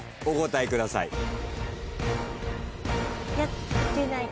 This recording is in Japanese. お答えください。